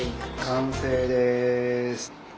完成です。